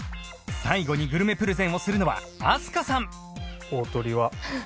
最後にグルメプレゼンをするのは飛鳥さん